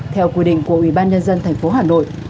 theo quy định của ubnd tp hcm